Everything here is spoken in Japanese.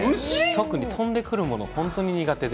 特に飛んでくるもの、本当に苦手で。